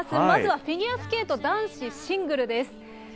まずはフィギュアスケート男子シングルです。